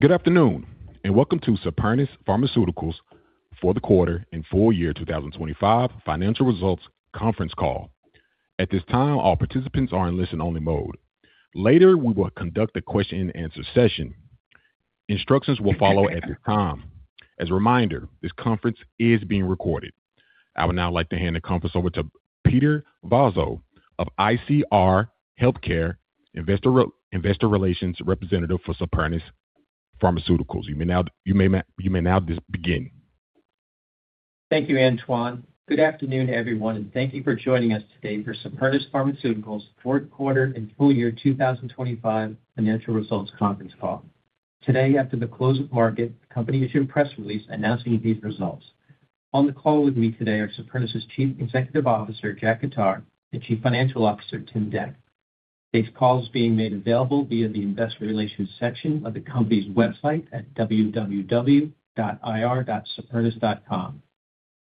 Good afternoon. Welcome to Supernus Pharmaceuticals for the quarter and full year 2025 financial results conference call. At this time, all participants are in listen-only mode. Later, we will conduct a question-and-answer session. Instructions will follow at that time. As a reminder, this conference is being recorded. I would now like to hand the conference over to Peter Vozzo of ICR Healthcare, Investor Relations representative for Supernus Pharmaceuticals. You may now just begin. Thank you, Antoine. Good afternoon, everyone, and thank you for joining us today for Supernus Pharmaceuticals' fourth quarter and full year 2025 financial results conference call. Today, after the close of market, the company issued a press release announcing these results. On the call with me today are Supernus' Chief Executive Officer, Jack Khattar, and Chief Financial Officer, Tim Dec. This call is being made available via the investor relations section of the company's website at www.ir.supernus.com.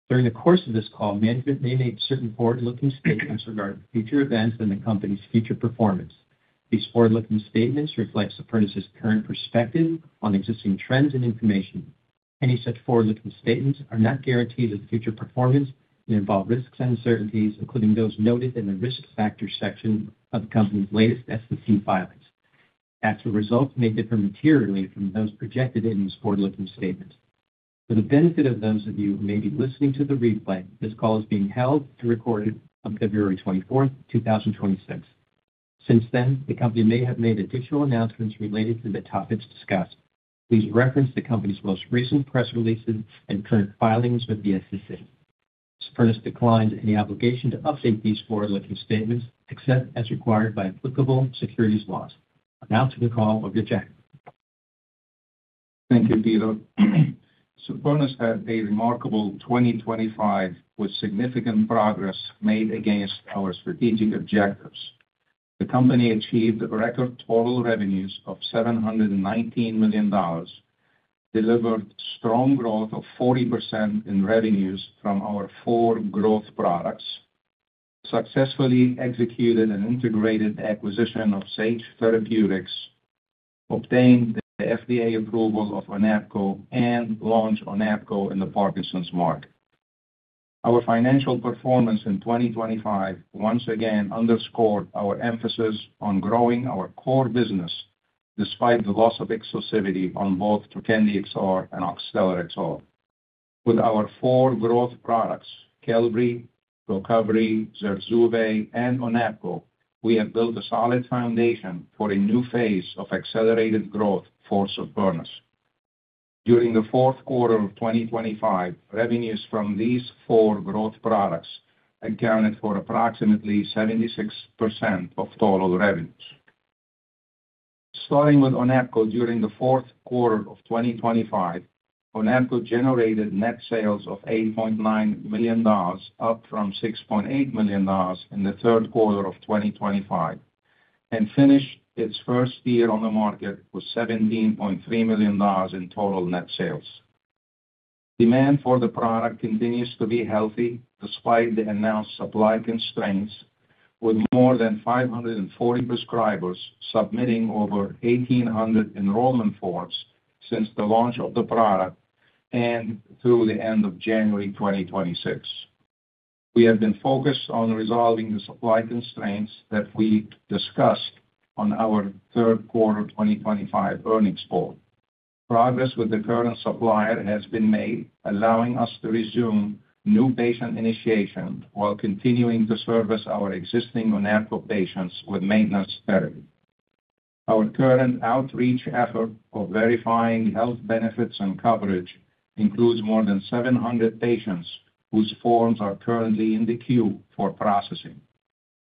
During the course of this call, management may make certain forward-looking statements regarding future events and the company's future performance. These forward-looking statements reflect Supernus' current perspective on existing trends and information. Any such forward-looking statements are not guarantees of future performance and involve risks and uncertainties, including those noted in the risk factor section of the company's latest SEC filings. Actual results may differ materially from those projected in these forward-looking statements. For the benefit of those of you who may be listening to the replay, this call is being held and recorded on February 24th, 2026. Since then, the company may have made additional announcements related to the topics discussed. Please reference the company's most recent press releases and current filings with the SEC. Supernus declines any obligation to update these forward-looking statements, except as required by applicable securities laws. Now to the call over to Jack. Thank you, Peter. Supernus had a remarkable 2025, with significant progress made against our strategic objectives. The company achieved record total revenues of $719 million, delivered strong growth of 40% in revenues from our four growth products, successfully executed an integrated acquisition of Sage Therapeutics, obtained the FDA approval of ONAPGO, and launched ONAPGO in the Parkinson's market. Our financial performance in 2025 once again underscored our emphasis on growing our core business, despite the loss of exclusivity on both Trokendi XR and Oxtellar XR. With our four growth products, Qelbree, Proquarius, Zurzuvae, and ONAPGO, we have built a solid foundation for a new phase of accelerated growth for Supernus. During the fourth quarter of 2025, revenues from these four growth products accounted for approximately 76% of total revenues. Starting with ONAPGO, during the fourth quarter of 2025, ONAPGO generated net sales of $8.9 million, up from $6.8 million in the third quarter of 2025, and finished its first year on the market with $17.3 million in total net sales. Demand for the product continues to be healthy, despite the announced supply constraints, with more than 540 prescribers submitting over 1,800 enrollment forms since the launch of the product and through the end of January 2026. We have been focused on resolving the supply constraints that we discussed on our third quarter 2025 earnings call. Progress with the current supplier has been made, allowing us to resume new patient initiation while continuing to service our existing ONAPGO patients with maintenance therapy. Our current outreach effort for verifying health benefits and coverage includes more than 700 patients whose forms are currently in the queue for processing.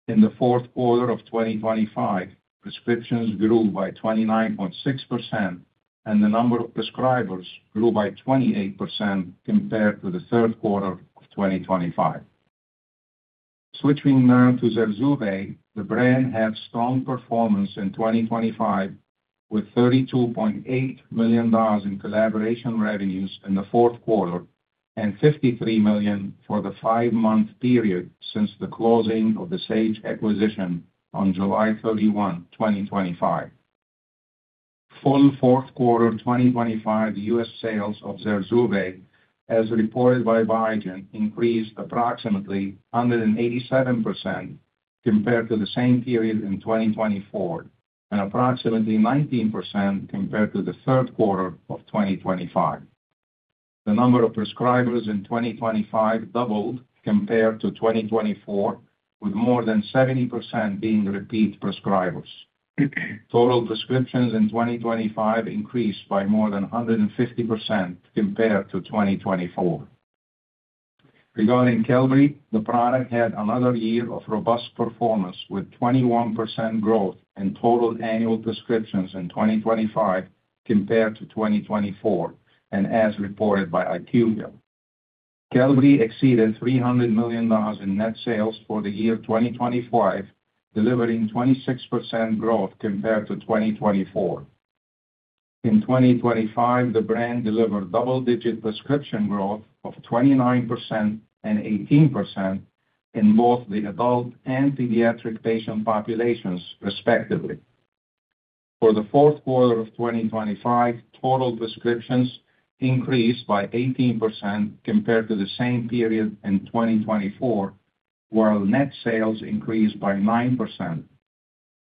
In the fourth quarter of 2025, prescriptions grew by 29.6%, and the number of prescribers grew by 28% compared to the third quarter of 2025. Switching now to Zurzuvae, the brand had strong performance in 2025, with $32.8 million in collaboration revenues in the fourth quarter and $53 million for the 5-month period since the closing of the Sage acquisition on July 31, 2025. Full fourth quarter of 2025, U.S. sales of Zurzuvae, as reported by Biogen, increased approximately 187% compared to the same period in 2024 and approximately 19% compared to the third quarter of 2025. The number of prescribers in 2025 doubled compared to 2024, with more than 70% being repeat prescribers. Total prescriptions in 2025 increased by more than 150% compared to 2024. Regarding Qelbree, the product had another year of robust performance, with 21% growth in total annual prescriptions in 2025 compared to 2024, and as reported by IQVIA. Qelbree exceeded $300 million in net sales for the year 2025, delivering 26% growth compared to 2024. In 2025, the brand delivered double-digit prescription growth of 29% and 18% in both the adult and pediatric patient populations, respectively. For the fourth quarter of 2025, total prescriptions increased by 18% compared to the same period in 2024, while net sales increased by 9%,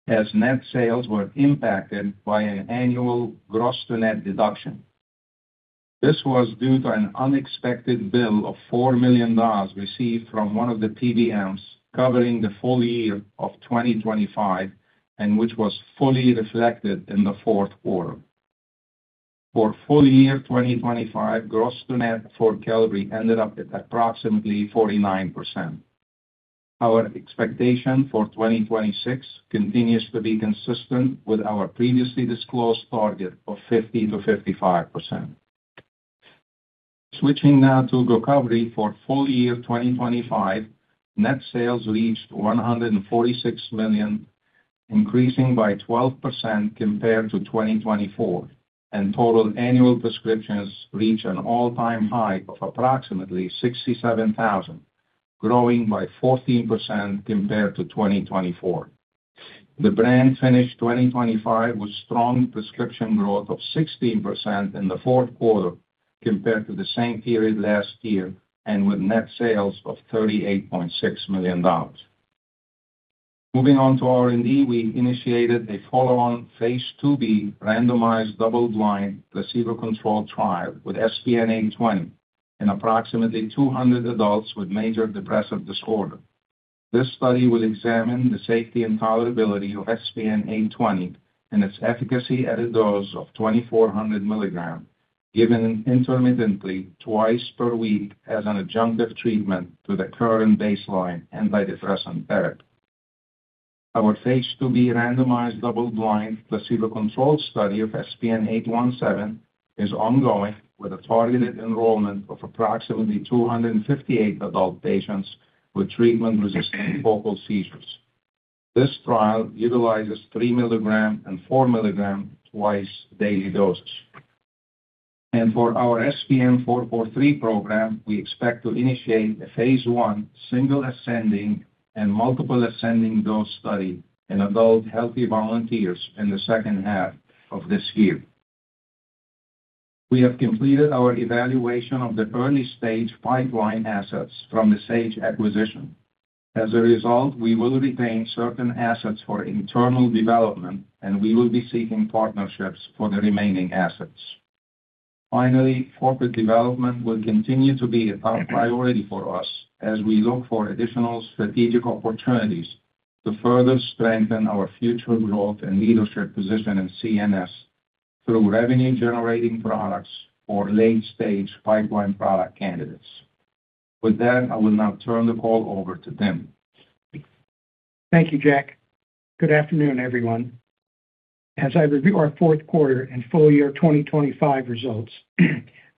as net sales were impacted by an annual gross-to-net deduction. This was due to an unexpected bill of $4 million received from one of the PBMs covering the full year of 2025, and which was fully reflected in the fourth quarter. For full year 2025, gross-to-net for Qelbree ended up at approximately 49%. Our expectation for 2026 continues to be consistent with our previously disclosed target of 50%-55%. Switching now to GOCOVRI. For full year 2025, net sales reached $146 million, increasing by 12% compared to 2024. Total annual prescriptions reached an all-time high of approximately 67,000, growing by 14% compared to 2024. The brand finished 2025 with strong prescription growth of 16% in the fourth quarter compared to the same period last year, with net sales of $38.6 million. Moving on to R&D, we initiated a follow-on Phase IIb randomized, double-blind, placebo-controlled trial with SPN-820 in approximately 200 adults with major depressive disorder. This study will examine the safety and tolerability of SPN-820 and its efficacy at a dose of 2,400 milligrams, given intermittently twice per week as an adjunctive treatment to the current baseline antidepressant therapy. Our Phase IIb randomized, double-blind, placebo-controlled study of SPN-817 is ongoing, with a targeted enrollment of approximately 258 adult patients with treatment-resistant focal seizures. This trial utilizes 3 milligram and 4 milligram twice daily doses. For our SPN-443 program, we expect to initiate a Phase I, single ascending and multiple ascending dose study in adult healthy volunteers in the second half of this year. We have completed our evaluation of the early-stage pipeline assets from the Sage acquisition. As a result, we will retain certain assets for internal development, we will be seeking partnerships for the remaining assets. Finally, corporate development will continue to be a top priority for us as we look for additional strategic opportunities to further strengthen our future growth and leadership position in CNS through revenue-generating products or late-stage pipeline product candidates. With that, I will now turn the call over to Tim. Thank you, Jack. Good afternoon, everyone. As I review our fourth quarter and full year 2025 results,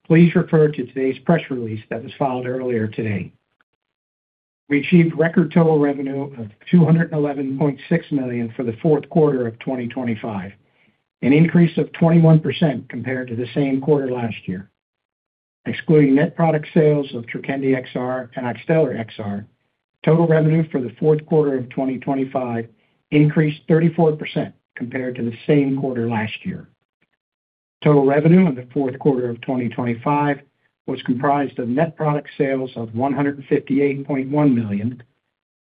please refer to today's press release that was filed earlier today. We achieved record total revenue of $211.6 million for the fourth quarter of 2025, an increase of 21% compared to the same quarter last year. Excluding net product sales of Trokendi XR and Oxtellar XR, total revenue for the fourth quarter of 2025 increased 34% compared to the same quarter last year. Total revenue in the fourth quarter of 2025 was comprised of net product sales of $158.1 million,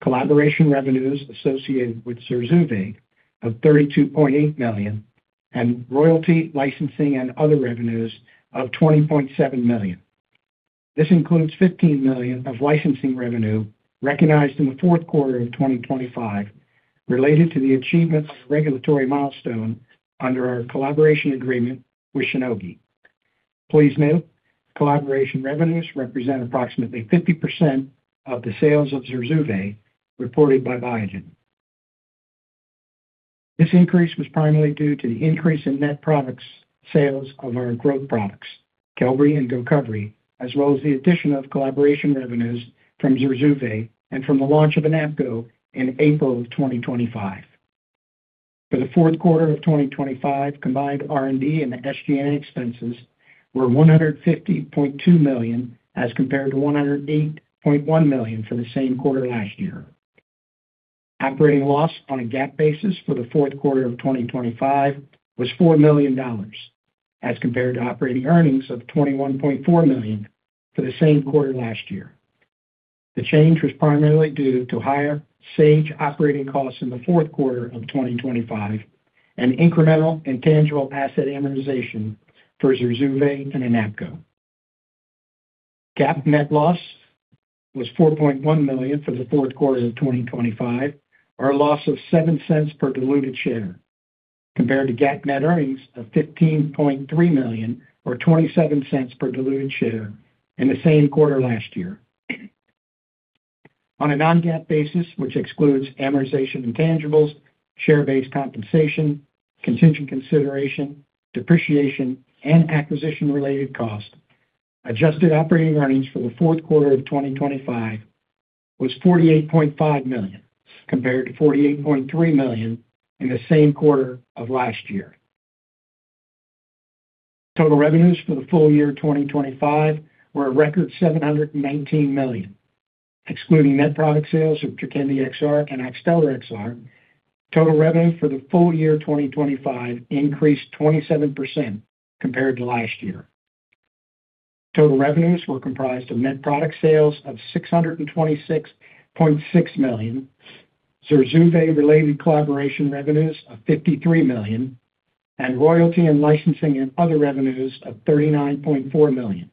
collaboration revenues associated with Zurzuvae of $32.8 million, and royalty, licensing, and other revenues of $20.7 million. This includes $15 million of licensing revenue recognized in the fourth quarter of 2025 related to the achievement of a regulatory milestone under our collaboration agreement with Shionogi. Please note, collaboration revenues represent approximately 50% of the sales of Zurzuvae reported by Biogen. This increase was primarily due to the increase in net products sales of our growth products, Qelbree and GOCOVRI, as well as the addition of collaboration revenues from Zurzuvae and from the launch of ONAPGO in April of 2025. For the fourth quarter of 2025, combined R&D and SG&A expenses were $150.2 million, as compared to $108.1 million for the same quarter last year. Operating loss on a GAAP basis for the fourth quarter of 2025 was $4 million, as compared to operating earnings of $21.4 million for the same quarter last year. The change was primarily due to higher Sage operating costs in the fourth quarter of 2025 and incremental intangible asset amortization for Zurzuvae and ONAPGO. GAAP net loss was $4.1 million for the fourth quarter of 2025, or a loss of $0.07 per diluted share, compared to GAAP net earnings of $15.3 million, or $0.27 per diluted share in the same quarter last year. On a non-GAAP basis, which excludes amortization intangibles, share-based compensation, contingent consideration, depreciation, and acquisition-related costs, adjusted operating earnings for the fourth quarter of 2025 was $48.5 million, compared to $48.3 million in the same quarter of last year. Total revenues for the full year 2025 were a record $719 million, excluding net product sales of Trokendi XR and Oxtellar XR. Total revenue for the full year 2025 increased 27% compared to last year. Total revenues were comprised of net product sales of $626.6 million, Zurzuvae-related collaboration revenues of $53 million, and royalty and licensing and other revenues of $39.4 million,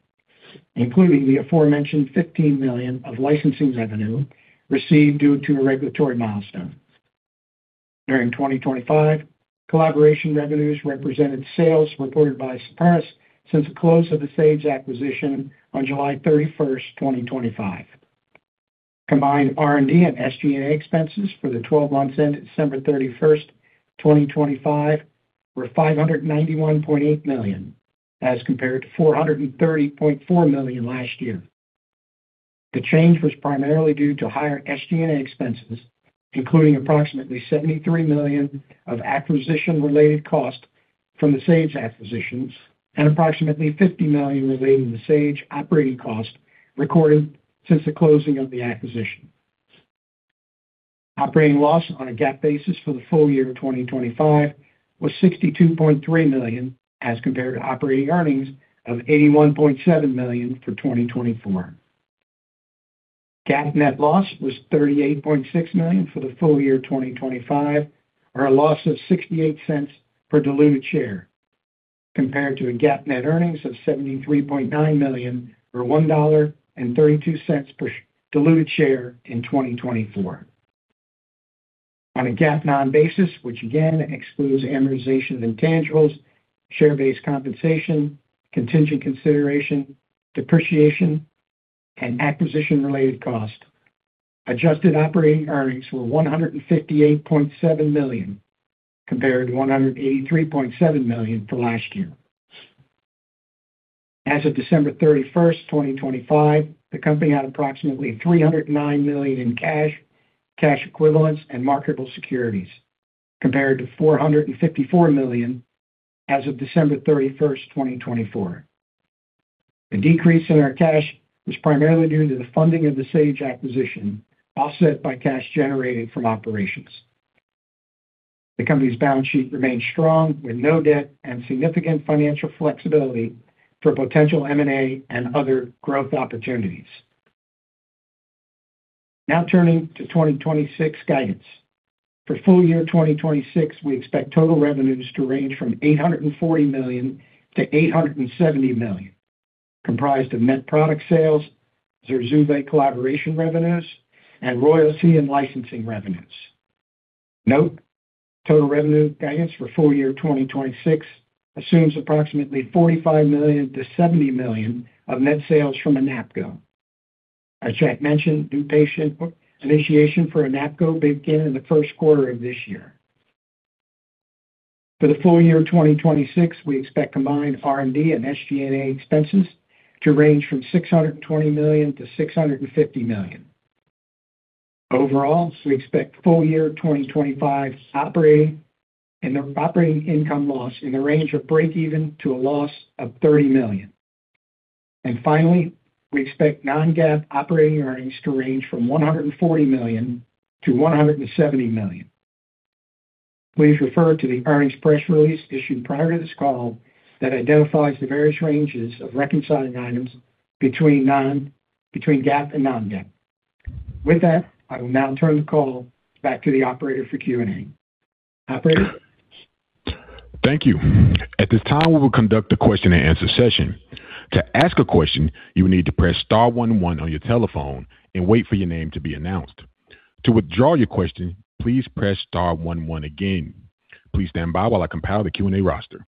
including the aforementioned $15 million of licensing revenue received due to a regulatory milestone. During 2025, collaboration revenues represented sales reported by Sparx since the close of the Sage acquisition on July 31st, 2025. Combined R&D and SG&A expenses for the 12 months ended December 31st, 2025, were $591.8 million, as compared to $430.4 million last year. The change was primarily due to higher SG&A expenses, including approximately $73 million of acquisition-related costs from the Sage acquisitions and approximately $50 million relating to Sage operating costs recorded since the closing of the acquisition. Operating loss on a GAAP basis for the full year 2025 was $62.3 million, as compared to operating earnings of $81.7 million for 2024. GAAP net loss was $38.6 million for the full year 2025, or a loss of $0.68 per diluted share, compared to a GAAP net earnings of $73.9 million or $1.32 per diluted share in 2024. On a GAAP basis, which again excludes amortization intangibles, share-based compensation, contingent consideration, depreciation, and acquisition-related costs, adjusted operating earnings were $158.7 million, compared to $183.7 million for last year. As of December 31, 2025, the company had approximately $309 million in cash equivalents, and marketable securities, compared to $454 million as of December 31, 2024. The decrease in our cash was primarily due to the funding of the Sage acquisition, offset by cash generated from operations. The company's balance sheet remains strong, with no debt and significant financial flexibility for potential M&A and other growth opportunities. Turning to 2026 guidance. For full year 2026, we expect total revenues to range from $840 million-$870 million, comprised of net product sales, Zurzuvae collaboration revenues, and royalty and licensing revenues. Note, total revenue guidance for full year 2026 assumes approximately $45 million-$70 million of net sales from ONAPGO. As Jack mentioned, new patient initiation for ONAPGO began in the first quarter of this year. For the full year 2026, we expect combined R&D and SG&A expenses to range from $620 million-$650 million. Overall, we expect full year 2025 operating, and operating income loss in the range of breakeven to a loss of $30 million. Finally, we expect non-GAAP operating earnings to range from $140 million-$170 million. Please refer to the earnings press release issued prior to this call that identifies the various ranges of reconciling items between GAAP and non-GAAP. With that, I will now turn the call back to the operator for Q&A. Operator? Thank you. At this time, we will conduct a question-and-answer session. To ask a question, you will need to press star 1 on your telephone and wait for your name to be announced. To withdraw your question, please press star 1 again. Please stand by while I compile the Q&A roster.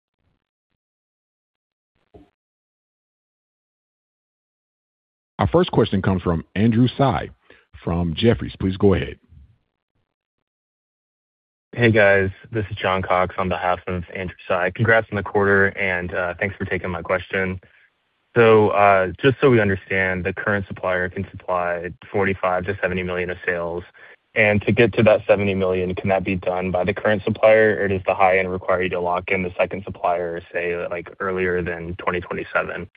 Our first question comes from Andrew Tsai from Jefferies. Please go ahead. Hey, guys. This is Jon Cox on behalf of Andrew Tsai. Congrats on the quarter, thanks for taking my question. Just so we understand, the current supplier can supply $45 million-$70 million of sales, and to get to that $70 million, can that be done by the current supplier, or does the high end require you to lock in the second supplier, say, like, earlier than 2027?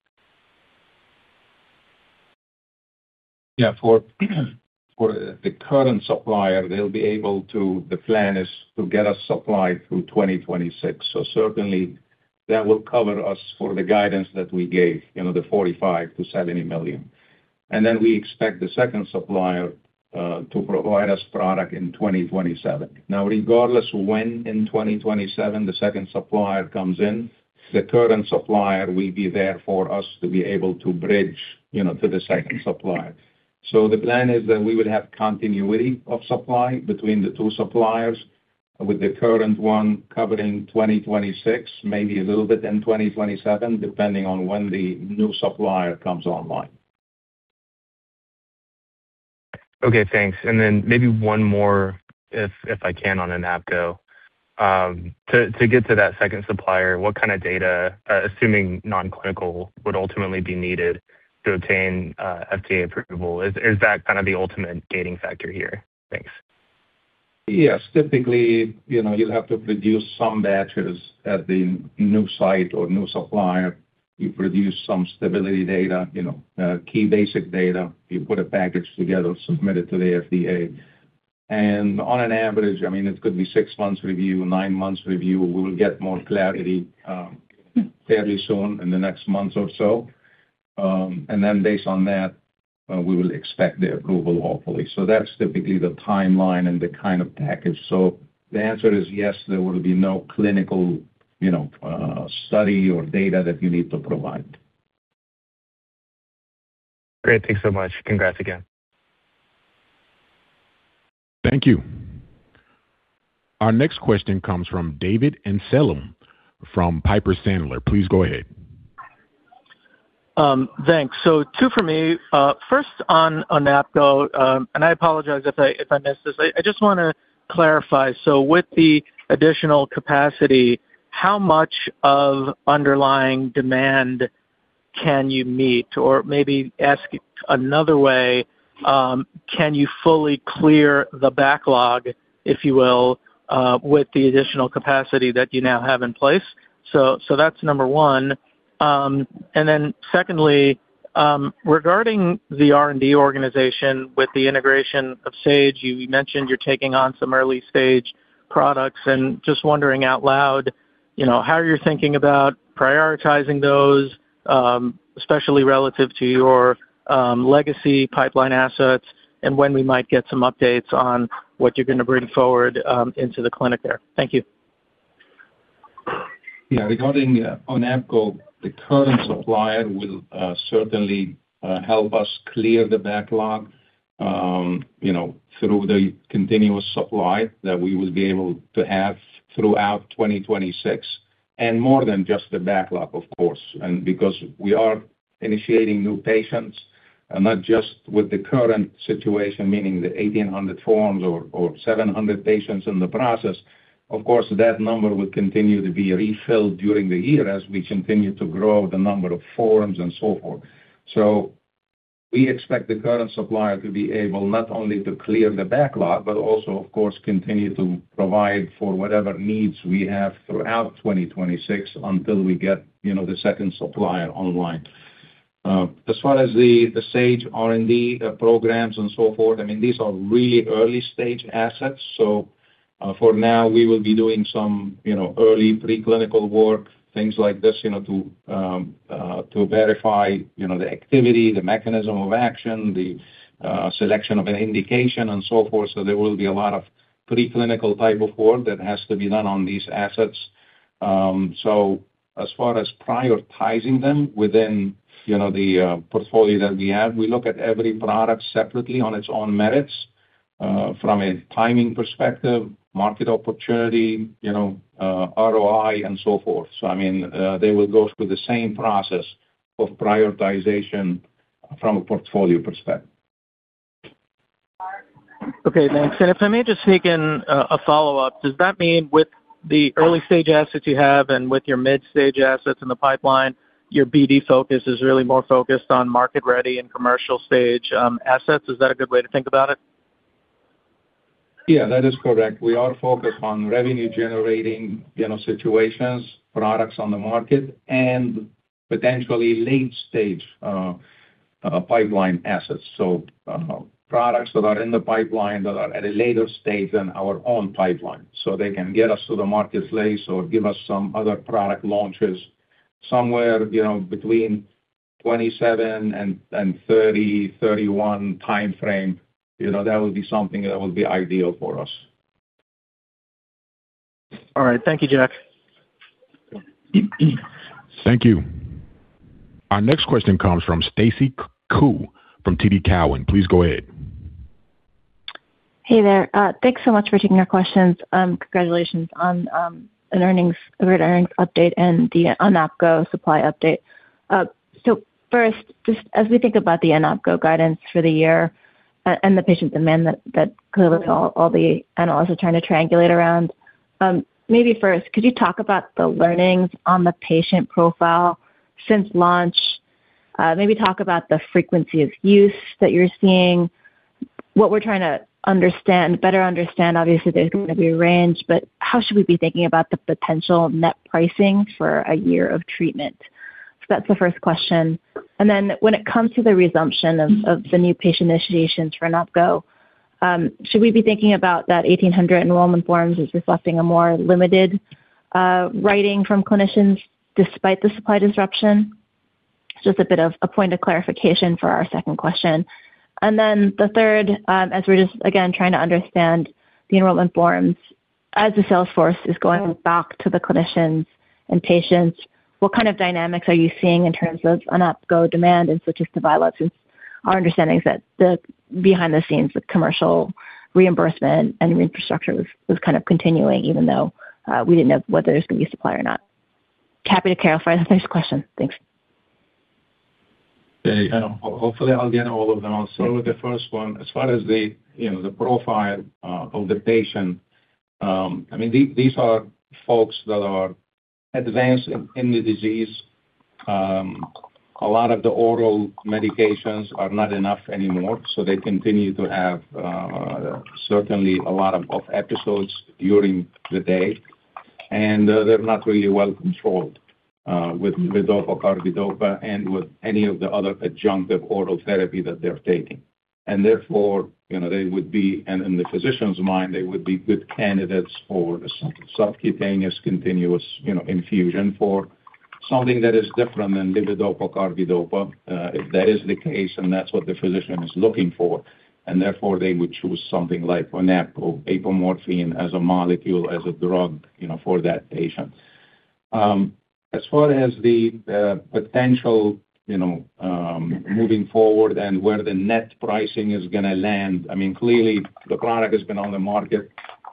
Yeah, for the current supplier, the plan is to get us supplied through 2026. Certainly that will cover us for the guidance that we gave, you know, the $45 million-$70 million. We expect the second supplier to provide us product in 2027. Now, regardless of when in 2027 the second supplier comes in, the current supplier will be there for us to be able to bridge, you know, to the second supplier. The plan is that we would have continuity of supply between the two suppliers, with the current one covering 2026, maybe a little bit in 2027, depending on when the new supplier comes online. Okay, thanks. Maybe one more, if I can, on ONAPGO. To get to that second supplier, what kind of data, assuming non-clinical, would ultimately be needed to obtain FDA approval? Is that kind of the ultimate gating factor here? Thanks. Yes, typically, you know, you'll have to produce some batches at the new site or new supplier. You produce some stability data, you know, key basic data. You put a package together, submit it to the FDA. On an average, I mean, it could be six months review, nine months review. We will get more clarity, fairly soon, in the next month or so. Then based on that, we will expect the approval, hopefully. That's typically the timeline and the kind of package. The answer is yes, there will be no clinical, you know, study or data that we need to provide. Great. Thanks so much. Congrats again. Thank you. Our next question comes from David Amsellem, from Piper Sandler. Please go ahead. Thanks. Two for me. First, on ONAPGO, and I apologize if I missed this. I just wanna clarify. With the additional capacity, how much of underlying demand can you meet? Or maybe ask another way, can you fully clear the backlog, if you will, with the additional capacity that you now have in place? That's number one. Then secondly, regarding the R&D organization with the integration of Sage, you mentioned you're taking on some early-stage products and just wondering out loud, you know, how you're thinking about prioritizing those, especially relative to your legacy pipeline assets, and when we might get some updates on what you're gonna bring forward into the clinic there. Thank you. Yeah. Regarding ONAPGO, the current supplier will certainly help us clear the backlog, you know, through the continuous supply that we will be able to have throughout 2026, and more than just the backlog, of course. Because we are initiating new patients, and not just with the current situation, meaning the 1,800 forms or 700 patients in the process, of course, that number will continue to be refilled during the year as we continue to grow the number of forms and so forth. We expect the current supplier to be able not only to clear the backlog, but also, of course, continue to provide for whatever needs we have throughout 2026 until we get, you know, the second supplier online. As far as the Sage R&D programs and so forth, I mean, these are really early-stage assets, for now, we will be doing some, you know, early preclinical work, things like this, you know, to verify, you know, the activity, the mechanism of action, the selection of an indication and so forth. There will be a lot of preclinical type of work that has to be done on these assets. As far as prioritizing them within, you know, the portfolio that we have, we look at every product separately on its own merits, from a timing perspective, market opportunity, you know, ROI, and so forth. I mean, they will go through the same process of prioritization from a portfolio perspective. Okay, thanks. If I may just sneak in a follow-up, does that mean with the early-stage assets you have and with your mid-stage assets in the pipeline, your BD focus is really more focused on market-ready and commercial-stage assets? Is that a good way to think about it? Yeah, that is correct. We are focused on revenue-generating, you know, situations, products on the market, and potentially late-stage pipeline assets. Products that are in the pipeline that are at a later stage than our own pipeline, so they can get us to the marketplace or give us some other product launches somewhere, you know, between 27 and 30-31 timeframe. You know, that would be something that would be ideal for us. All right. Thank you, Jack. Thank you. Our next question comes from Stacy Ku, from TD Cowen. Please go ahead. Hey there. Thanks so much for taking our questions. Congratulations on an earnings update and the ONAPGO supply update. First, just as we think about the ONAPGO guidance for the year, and the patient demand that clearly all the analysts are trying to triangulate around, maybe first, could you talk about the learnings on the patient profile since launch? Maybe talk about the frequency of use that you're seeing. What we're trying to understand, better understand, obviously, there's gonna be a range, but how should we be thinking about the potential net pricing for a year of treatment? That's the first question. When it comes to the resumption of the new patient initiations for ONAPGO, should we be thinking about that 1,800 enrollment forms as reflecting a more limited writing from clinicians despite the supply disruption? Just a bit of a point of clarification for our second question. The third, as we're just, again, trying to understand the enrollment forms, as the sales force is going back to the clinicians and patients, what kind of dynamics are you seeing in terms of ONAPGO demand and logistics availability? Our understanding is that the behind the scenes, the commercial reimbursement and infrastructure was kind of continuing, even though we didn't know whether there's gonna be supply or not. Happy to clarify the next question. Thanks. Hey, hopefully I'll get all of them. The first one, as far as the, you know, the profile of the patient, I mean, these are folks that are advanced in the disease. A lot of the oral medications are not enough anymore, so they continue to have certainly a lot of episodes during the day, and they're not really well controlled with levodopa/carbidopa and with any of the other adjunctive oral therapy that they're taking. Therefore, you know, they would be, and in the physician's mind, they would be good candidates for the subcutaneous continuous, you know, infusion for something that is different than levodopa/carbidopa. If that is the case, and that's what the physician is looking for, and therefore they would choose something like ONAPGO apomorphine as a molecule, as a drug, you know, for that patient. As far as the potential, you know, moving forward and where the net pricing is gonna land, I mean, clearly the product has been on the market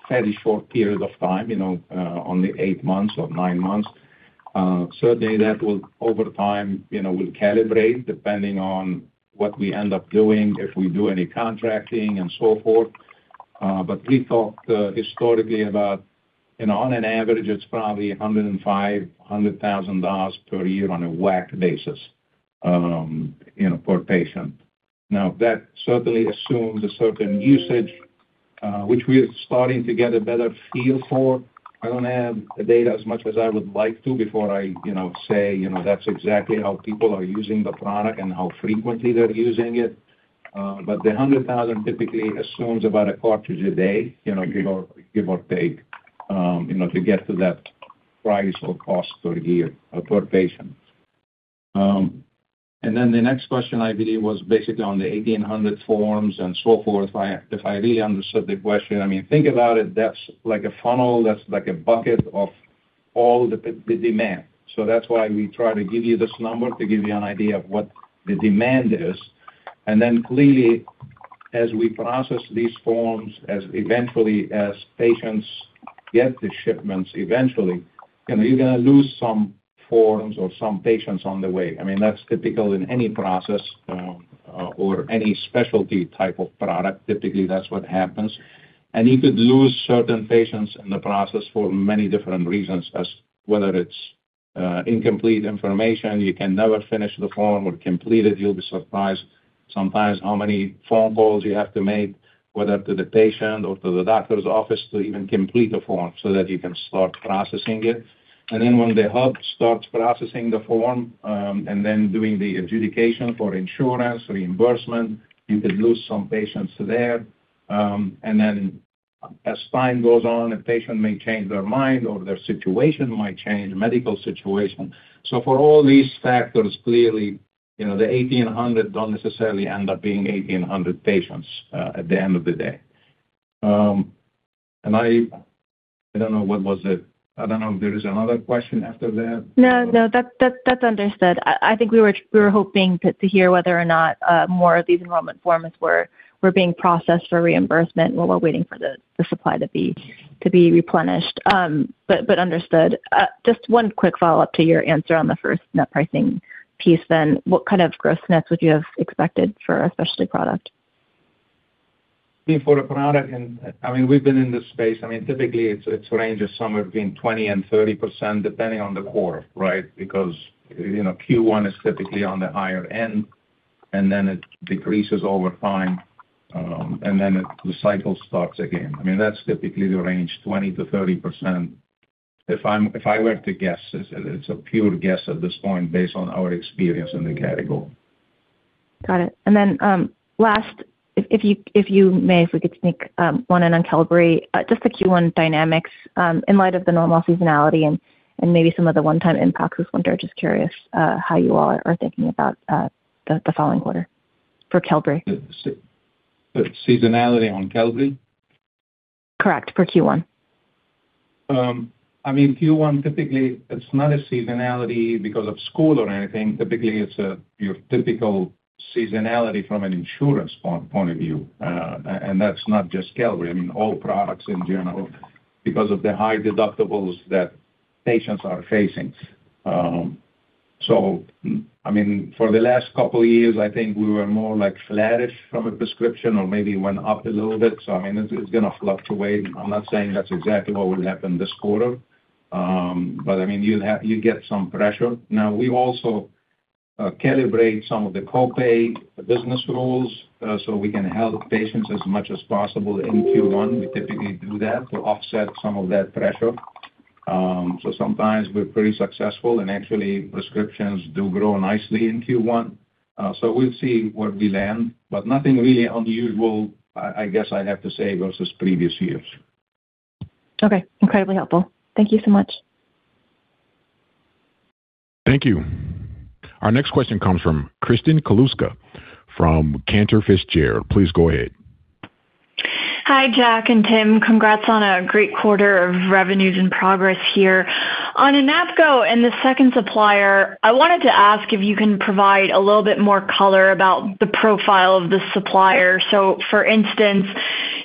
fairly short period of time, you know, only eight months or nine months. Certainly that will, over time, you know, will calibrate depending on what we end up doing, if we do any contracting and so forth. We thought historically about, you know, on an average, it's probably $100,000 per year on a WAC basis, you know, per patient. That certainly assumes a certain usage, which we are starting to get a better feel for. I don't have the data as much as I would like to before I, you know, say, you know, that's exactly how people are using the product and how frequently they're using it. The 100,000 typically assumes about a cartridge a day, you know, give or take, you know, to get to that price or cost per year or per patient. Then the next question, I believe, was basically on the 1,800 forms and so forth. If I really understood the question, I mean, think about it, that's like a funnel, that's like a bucket of all the demand. That's why we try to give you this number, to give you an idea of what the demand is. Clearly, as we process these forms, as eventually as patients get the shipments eventually, you know, you're gonna lose some forms or some patients on the way. I mean, that's typical in any process, or any specialty type of product. Typically, that's what happens. You could lose certain patients in the process for many different reasons, as whether it's incomplete information, you can never finish the form or complete it. You'll be surprised sometimes how many phone calls you have to make, whether to the patient or to the doctor's office, to even complete the form so that you can start processing it. When the hub starts processing the form, and then doing the adjudication for insurance reimbursement, you could lose some patients there. As time goes on, a patient may change their mind or their situation might change, medical situation. For all these factors, clearly, you know, the 1,800 don't necessarily end up being 1,800 patients at the end of the day. I don't know. What was it? I don't know if there is another question after that. No, that's understood. I think we were hoping to hear whether or not more of these enrollment forms were being processed for reimbursement while we're waiting for the supply to be replenished. Understood. Just one quick follow-up to your answer on the first net pricing piece, then. What kind of gross nets would you have expected for a specialty product? For a product, I mean, we've been in this space. I mean, typically its range is somewhere between 20% and 30%, depending on the quarter, right? Because, you know, Q1 is typically on the higher end, and then it decreases over time, and then it, the cycle starts again. I mean, that's typically the range, 20%-30%. If I were to guess, it's a, it's a pure guess at this point, based on our experience in the category. Got it. Last, if you, if you may, if we could sneak one in on Qelbree. Just the Q1 dynamics, in light of the normal seasonality and maybe some of the one-time impacts, I was wondering, just curious, how you all are thinking about the following quarter for Qelbree? The seasonality on Qelbree? Correct, for Q1. I mean, Q1, typically, it's not a seasonality because of school or anything. Typically, it's your typical seasonality from an insurance point of view. That's not just Qelbree, I mean, all products in general, because of the high deductibles that patients are facing. I mean, for the last couple of years, I think we were more like flattish from a prescription or maybe went up a little bit. I mean, it's gonna fluctuate. I'm not saying that's exactly what will happen this quarter, I mean, you get some pressure. Now, we also calibrate some of the co-pay business rules, we can help patients as much as possible in Q1. We typically do that to offset some of that pressure. Sometimes we're pretty successful, and actually, prescriptions do grow nicely in Q1. We'll see where we land, but nothing really unusual, I guess I'd have to say, versus previous years. Okay. Incredibly helpful. Thank you so much. Thank you. Our next question comes from Kristen Kluska, from Cantor Fitzgerald. Please go ahead. Hi, Jack and Tim. Congrats on a great quarter of revenues and progress here. On SPN-820 and the second supplier, I wanted to ask if you can provide a little bit more color about the profile of the supplier. For instance,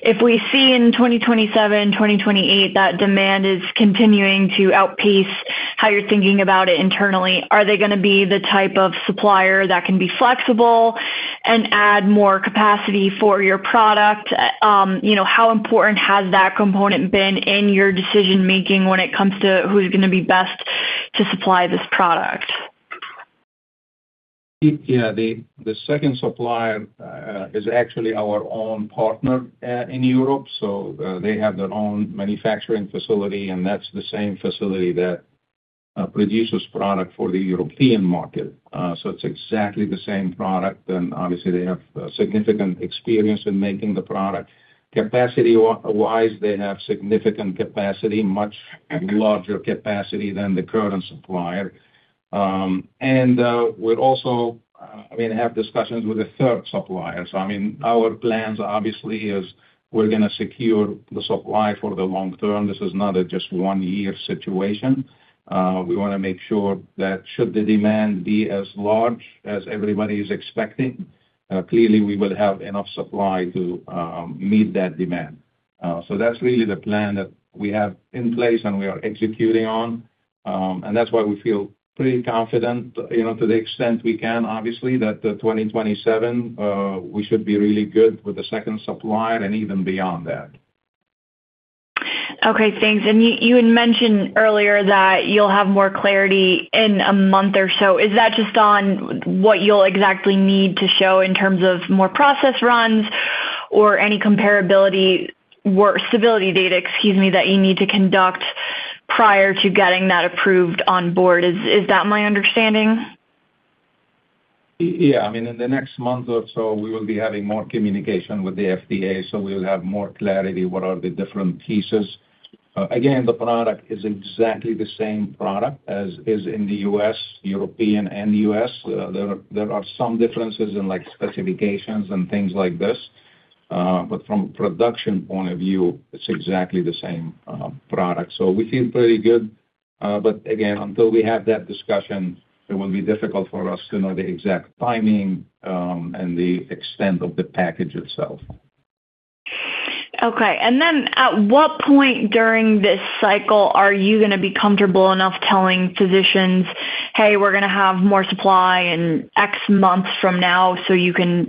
if we see in 2027, 2028, that demand is continuing to outpace how you're thinking about it internally, are they gonna be the type of supplier that can be flexible and add more capacity for your product? You know, how important has that component been in your decision-making when it comes to who's gonna be best to supply this product? Yeah, the second supplier is actually our own partner in Europe. They have their own manufacturing facility, and that's the same facility that produces product for the European market. It's exactly the same product, and obviously, they have significant experience in making the product. Capacity-wise, they have significant capacity, much larger capacity than the current supplier. We're also, I mean, have discussions with a third supplier. I mean, our plans, obviously, is we're gonna secure the supply for the long term. This is not a just 1-year situation. We wanna make sure that should the demand be as large as everybody is expecting, clearly we will have enough supply to meet that demand. That's really the plan that we have in place, and we are executing on, and that's why we feel pretty confident, you know, to the extent we can, obviously, that the 2027, we should be really good with the second supplier and even beyond that. Okay, thanks. You had mentioned earlier that you'll have more clarity in a month or so. Is that just on what you'll exactly need to show in terms of more process runs or any comparability or stability data, excuse me, that you need to conduct prior to getting that approved on board? Is that my understanding? I mean, in the next month or so, we will be having more communication with the FDA, so we'll have more clarity what are the different pieces. Again, the product is exactly the same product as is in the U.S., European and U.S. There are some differences in, like, specifications and things like this, but from a production point of view, it's exactly the same product. We feel pretty good, but again, until we have that discussion, it will be difficult for us to know the exact timing and the extent of the package itself. Okay. At what point during this cycle are you gonna be comfortable enough telling physicians, "Hey, we're gonna have more supply in X months from now, so you can,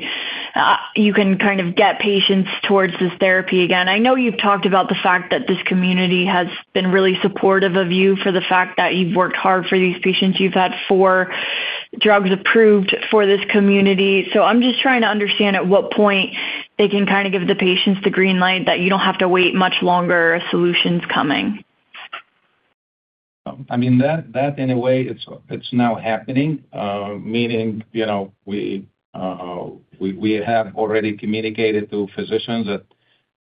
you can kind of get patients towards this therapy again?" I know you've talked about the fact that this community has been really supportive of you for the fact that you've worked hard for these patients. You've had four drugs approved for this community. I'm just trying to understand at what point they can kinda give the patients the green light, that you don't have to wait much longer, a solution's coming. I mean, that in a way, it's now happening. Meaning, you know, we have already communicated to physicians that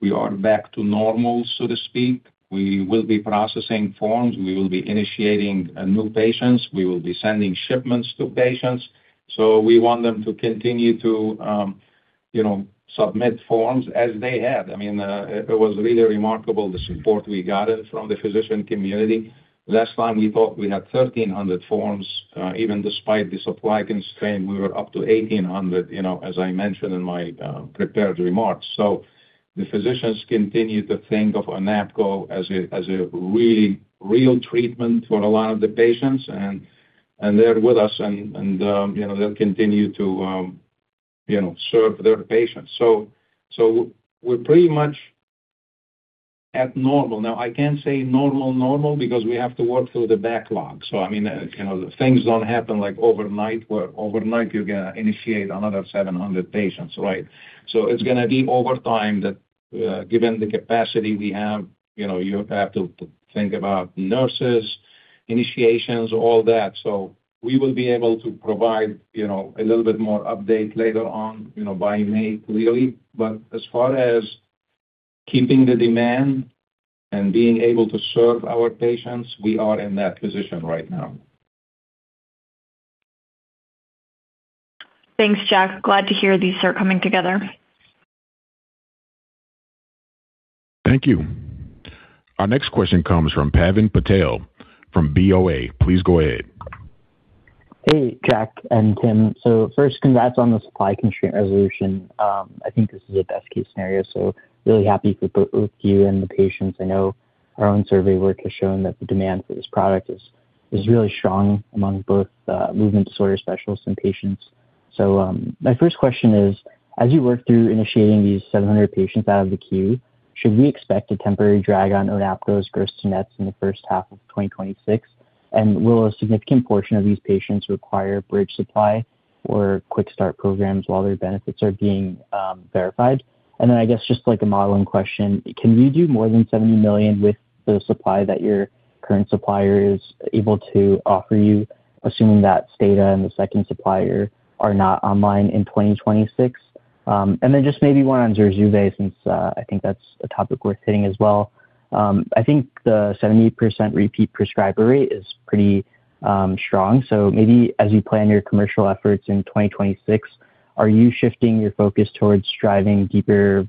we are back to normal, so to speak. We will be processing forms. We will be initiating new patients. We will be sending shipments to patients. We want them to continue to, you know, submit forms as they have. I mean, it was really remarkable the support we gotten from the physician community. Last time we thought we had 1,300 forms, even despite the supply constraint, we were up to 1,800, you know, as I mentioned in my prepared remarks. The physicians continued to think of ONAPGO as a really real treatment for a lot of the patients, and they're with us, and, you know, they'll continue to, you know, serve their patients. We're pretty much at normal. Now, I can't say normal, because we have to work through the backlog. I mean, you know, things don't happen, like, overnight, where overnight you're gonna initiate another 700 patients, right? It's gonna be over time that, given the capacity we have, you know, you have to think about nurses, initiations, all that. We will be able to provide, you know, a little bit more update later on, you know, by May, clearly. As far as keeping the demand and being able to serve our patients, we are in that position right now. Thanks, Jack. Glad to hear these are coming together. Thank you. Our next question comes from Pavan Patel from BofA. Please go ahead. Hey, Jack and Tim. First, congrats on the supply constraint resolution. I think this is a best-case scenario, so really happy for both you and the patients. I know our own survey work has shown that the demand for this product is really strong among both movement disorder specialists and patients. My first question is: as you work through initiating these 700 patients out of the queue, should we expect a temporary drag on ONAPGO's gross nets in the first half of 2026? Will a significant portion of these patients require bridge supply or quick start programs while their benefits are being verified? A modeling question, can you do more than $70 million with the supply that your current supplier is able to offer you, assuming that STADA and the second supplier are not online in 2026? One on Zurzuvae, since I think that's a topic worth hitting as well. I think the 70% repeat prescriber rate is strong. As you plan your commercial efforts in 2026, are you shifting your focus towards driving deeper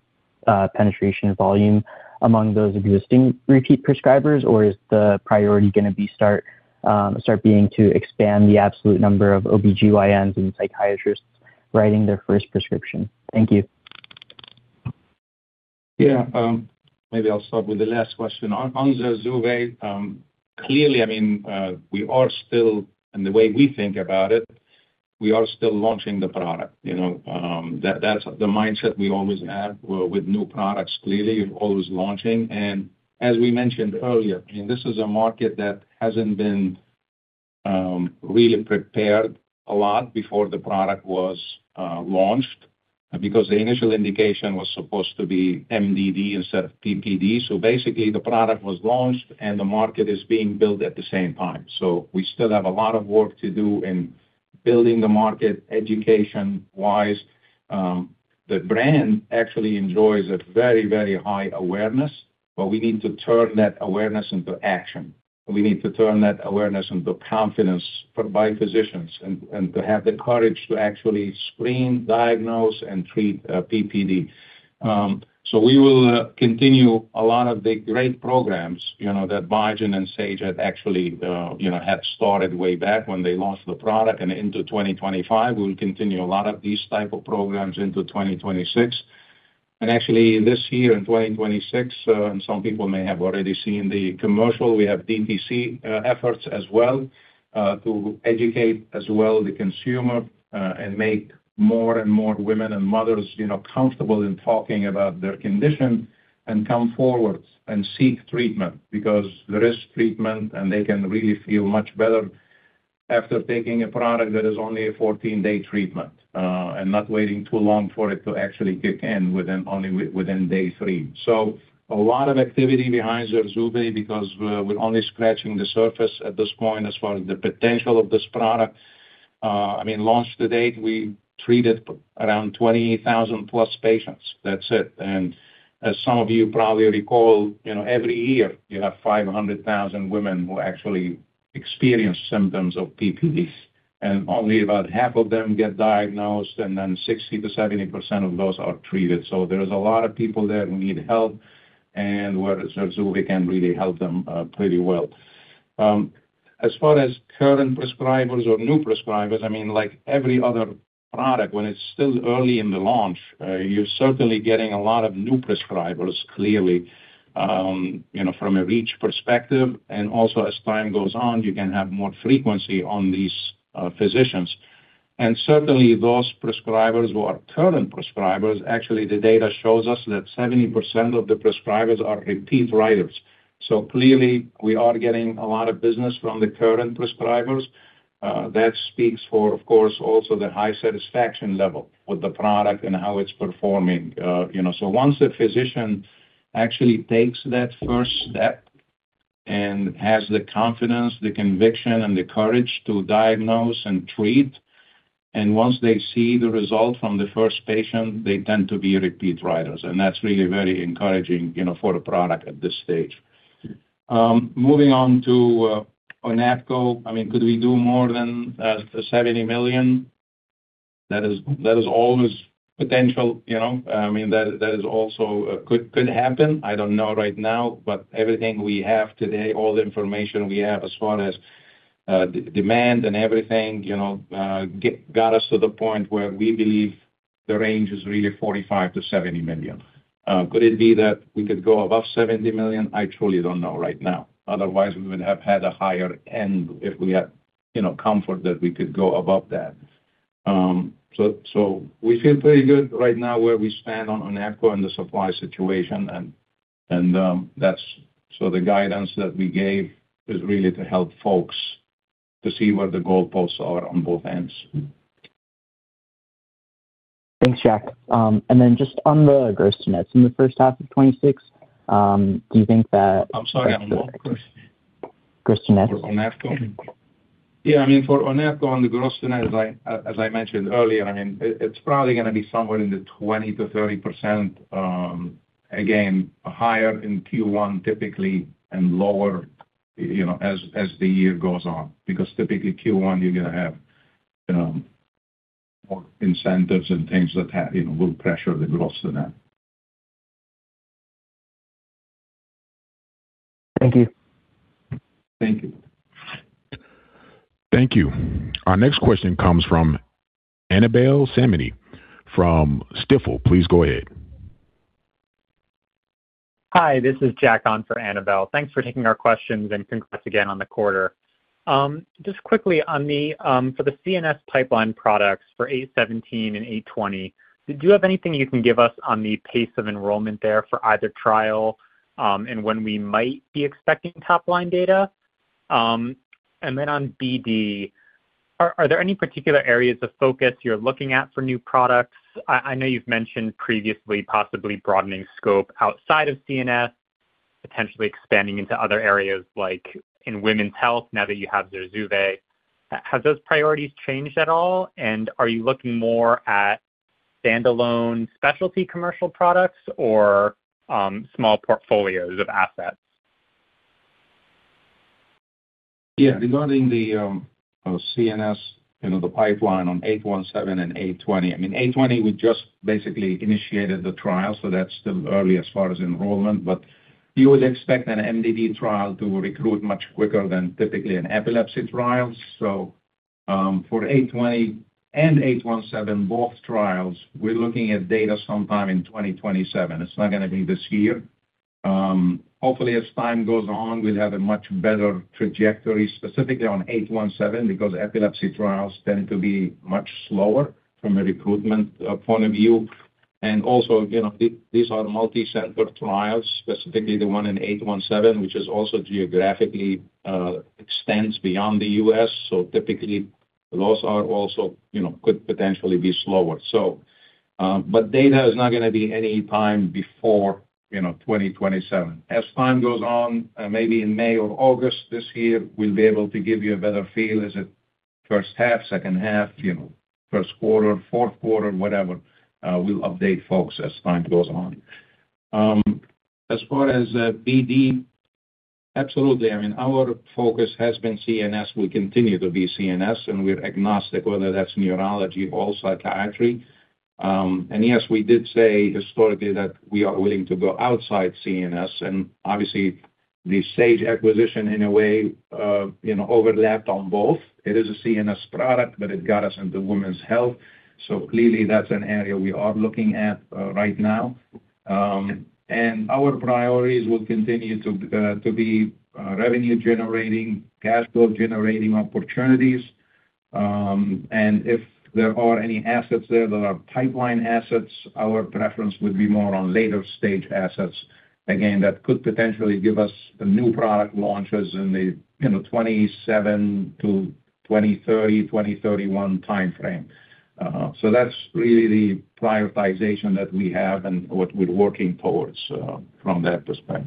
penetration volume among those existing repeat prescribers? Or is the priority gonna be to expand the absolute number of OBGYNs and psychiatrists writing their first prescription? Thank you. Maybe I'll start with the last question. On Zurzuvae, clearly, I mean, and the way we think about it, we are still launching the product, you know? That's the mindset we always have with new products. Clearly, you're always launching, as we mentioned earlier, I mean, this is a market that hasn't really prepared a lot before the product was launched, because the initial indication was supposed to be MDD instead of PPD. Basically, the product was launched, the market is being built at the same time. We still have a lot of work to do in building the market, education-wise. The brand actually enjoys a very, very high awareness, we need to turn that awareness into action. We need to turn that awareness into confidence for, by physicians, and to have the courage to actually screen, diagnose, and treat PPD. We will continue a lot of the great programs, you know, that Biogen and Sage have actually, you know, have started way back when they launched the product and into 2025. We'll continue a lot of these type of programs into 2026. Actually, this year, in 2026, and some people may have already seen the commercial, we have DTC efforts as well, to educate as well the consumer, and make more and more women and mothers, you know, comfortable in talking about their condition and come forward and seek treatment. Because there is treatment, and they can really feel much better after taking a product that is only a 14-day treatment, and not waiting too long for it to actually kick in within, only within day 3. A lot of activity behind Zurzuvae because we're only scratching the surface at this point as far as the potential of this product. I mean, launch to date, we treated around 20,000+ patients. That's it. As some of you probably recall, you know, every year you have 500,000 women who actually experience symptoms of PPD, and only about half of them get diagnosed, and then 60%-70% of those are treated. There is a lot of people there who need help and where Zurzuvae can really help them pretty well. As far as current prescribers or new prescribers, I mean, like every other product, when it's still early in the launch, you're certainly getting a lot of new prescribers, clearly, you know, from a reach perspective, and also as time goes on, you can have more frequency on these physicians. Those prescribers who are current prescribers, actually, the data shows us that 70% of the prescribers are repeat writers. We are getting a lot of business from the current prescribers. That speaks for, of course, also the high satisfaction level with the product and how it's performing. You know, once the physician actually takes that first step and has the confidence, the conviction, and the courage to diagnose and treat, once they see the result from the first patient, they tend to be repeat writers, that's really very encouraging, you know, for the product at this stage. Moving on to ONAPGO. I mean, could we do more than $70 million? That is always potential, you know. I mean, that is also could happen. I don't know right now, everything we have today, all the information we have as far as demand and everything, you know, got us to the point where we believe the range is really $45 million-$70 million. Could it be that we could go above $70 million? I truly don't know right now. Otherwise, we would have had a higher end if we had, you know, comfort that we could go above that. We feel pretty good right now where we stand on ONAPGO and the supply situation, and that's so the guidance that we gave is really to help folks to see where the goalposts are on both ends. Thanks, Jack. Just on the gross nets in the first half of 2026, do you think? I'm sorry, on what? Gross nets. On ONAPGO? Yeah, I mean, for ONAPGO, on the gross-to-net, as I mentioned earlier, I mean, it's probably gonna be somewhere in the 20%-30%, again, higher in Q1, typically, and lower, you know, as the year goes on. Typically Q1, you're gonna have, you know, more incentives and things that have, you know, will pressure the gross-to-net. Thank you. Thank you. Thank you. Our next question comes from Annabel Samimy from Stifel. Please go ahead. Hi, this is Jack on for Annabel. Thanks for taking our questions, and congrats again on the quarter. Just quickly on the for the CNS pipeline products for 817 and 820, do you have anything you can give us on the pace of enrollment there for either trial, and when we might be expecting top-line data? Then on BD, are there any particular areas of focus you're looking at for new products? I know you've mentioned previously possibly broadening scope outside of CNS, potentially expanding into other areas like in women's health, now that you have Zurzuvae. Have those priorities changed at all? Are you looking more at standalone specialty commercial products or small portfolios of assets? Yeah. Regarding the CNS, you know, the pipeline on SPN-817 and SPN-820, I mean, SPN-820, we just basically initiated the trial, so that's still early as far as enrollment. You would expect an MDD trial to recruit much quicker than typically an epilepsy trial. For SPN-820 and SPN-817, both trials, we're looking at data sometime in 2027. It's not gonna be this year. Hopefully, as time goes on, we'll have a much better trajectory, specifically on SPN-817, because epilepsy trials tend to be much slower from a recruitment point of view. Also, you know, these are multi-center trials, specifically the one in eight one seven, which is also geographically extends beyond the U.S. Typically, those are also, you know, could potentially be slower. But data is not gonna be any time before, you know, 2027. As time goes on, maybe in May or August this year, we'll be able to give you a better feel. Is it first half, second half, you know, first quarter, fourth quarter, whatever? We'll update folks as time goes on. As far as BD, absolutely. I mean, our focus has been CNS, we continue to be CNS, and we're agnostic, whether that's neurology or psychiatry. Yes, we did say historically that we are willing to go outside CNS, and obviously, the Sage acquisition, in a way, you know, overlapped on both. It is a CNS product, but it got us into women's health, so clearly that's an area we are looking at right now. Our priorities will continue to be revenue-generating, cash flow-generating opportunities. If there are any assets there that are pipeline assets, our preference would be more on later-stage assets. Again, that could potentially give us the new product launches in the, you know, 2027 to 2030, 2031 timeframe. That's really the prioritization that we have and what we're working towards from that perspective.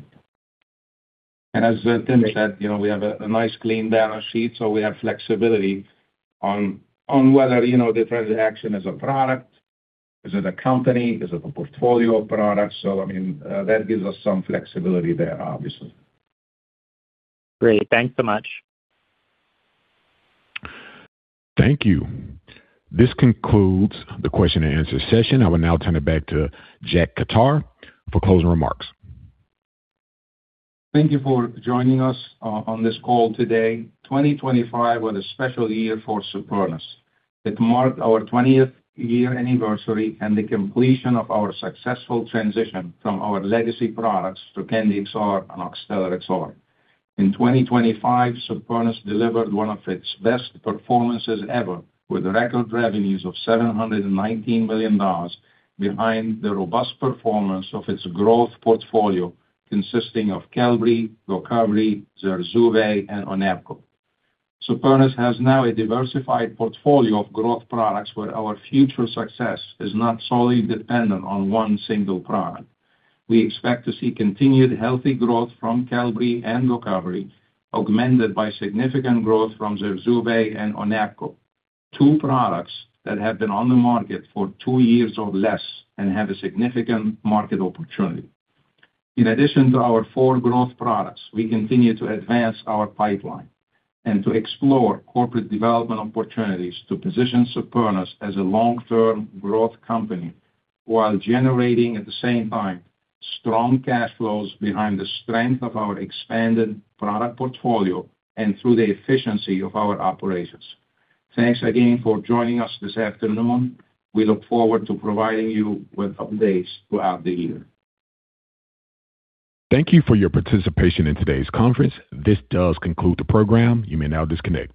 As Tim said, you know, we have a nice clean balance sheet, so we have flexibility on whether, you know, the transaction is a product, is it a company, is it a portfolio of products? I mean, that gives us some flexibility there, obviously. Great. Thanks so much. Thank you. This concludes the question and answer session. I will now turn it back to Jack Khattar for closing remarks. Thank you for joining us on this call today. 2025 was a special year for Supernus. It marked our 20th year anniversary and the completion of our successful transition from our legacy products to Qelbree and Oxtellar XR. In 2025, Supernus delivered one of its best performances ever, with record revenues of $719 million behind the robust performance of its growth portfolio, consisting of Qelbree, GOCOVRI, Zurzuvae, and ONAPGO. Supernus has now a diversified portfolio of growth products where our future success is not solely dependent on one single product. We expect to see continued healthy growth from Qelbree and GOCOVRI, augmented by significant growth from Zurzuvae and ONAPGO, 2 products that have been on the market for 2 years or less and have a significant market opportunity. In addition to our 4 growth products, we continue to advance our pipeline and to explore corporate development opportunities to position Supernus as a long-term growth company, while generating, at the same time, strong cash flows behind the strength of our expanded product portfolio and through the efficiency of our operations. Thanks again for joining us this afternoon. We look forward to providing you with updates throughout the year. Thank you for your participation in today's conference. This does conclude the program. You may now disconnect.